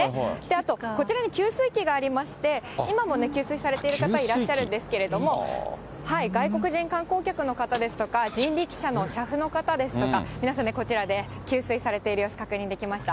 あとこちらに給水機がありまして、今も給水されている方いらっしゃるんですけれども、外国人観光客の方ですとか、人力車の車夫の方ですとか、皆さん、こちらで給水されている様子、確認できました。